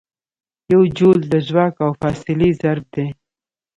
یو جول د ځواک او فاصلې ضرب دی.